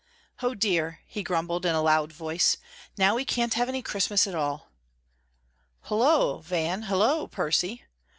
"O dear," he grumbled in a loud voice, "now we can't have any Christmas at all." "Hulloa, Van Hulloa, Percy."